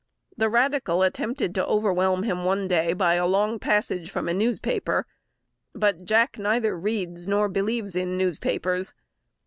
The radical attempted to overwhelm him one day by a long passage from a newspaper; but Jack neither reads nor believes in newspapers.